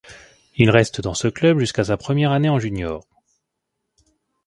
Il reste dans ce club jusqu'à sa première année en junior.